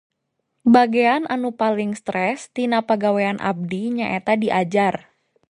Bagean anu paling stress tina pagawean abdi nyaeta diajar